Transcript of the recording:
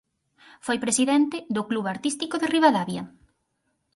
Foi presidente do Club Artístico de Ribadavia.